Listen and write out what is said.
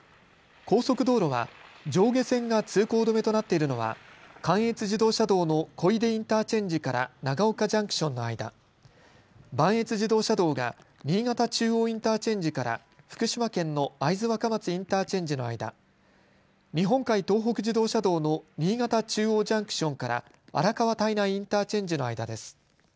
高速道路は上下線が通行止めとなっているのは関越自動車道の小出インターチェンジから長岡ジャンクションの間、磐越自動車道が新潟中央インターチェンジから福島県の会津若松インターチェンジの間、日本海東北自動車道の新潟中央ジャンクションから荒川胎内インターチェンジの間です。